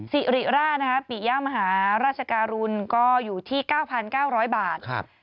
สิริราณนะคะปิยามหาราชการุณก็อยู่ที่๙๙๐๐บาทครับ